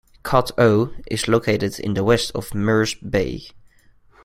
Kat O is located in the west of Mirs Bay.